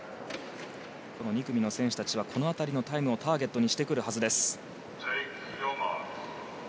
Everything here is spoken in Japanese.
２組の選手たちはこの辺りのタイムをターゲットにしてくるはずです。